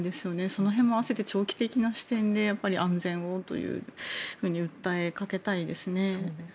その辺も併せて長期的な視点で安全をというふうに訴えかけたいですね。